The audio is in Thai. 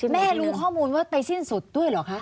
แม่รู้ข้อมูลว่าไปสิ้นสุดด้วยเหรอคะ